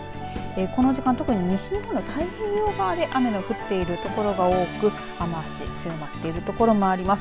この時間特に西日本の太平洋側で雨の降ってるところが多く雨足強まっているところもあります。